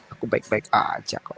aku baik baik aja kok